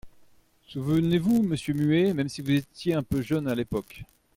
Souvenez-vous, monsieur Muet, même si vous étiez un peu jeune, à l’époque.